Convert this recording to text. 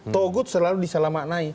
togut selalu disalahkan